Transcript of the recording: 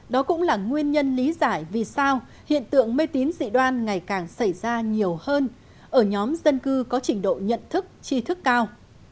đó cũng là nguyên nhân lý giải vì sao hiện tượng mê tín dị đoan ngày càng xảy ra nhiều hơn ở nhóm dân cư có trình độ nhận thức chi thức cao